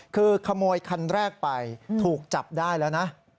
คือขโมยคันแรกไปถูกจับได้แล้วนะ